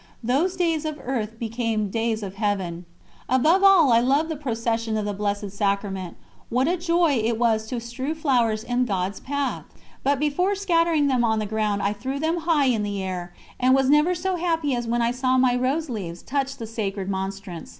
Those days of earth became days of Heaven. Above all I loved the procession of the Blessed Sacrament: what a joy it was to strew flowers in God's path! But before scattering them on the ground I threw them high in the air, and was never so happy as when I saw my rose leaves touch the sacred Monstrance.